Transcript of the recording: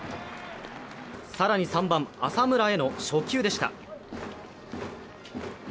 更に、３番・浅村への初球でした。